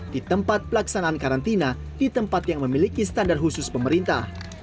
di tempat pelaksanaan karantina di tempat yang memiliki standar khusus pemerintah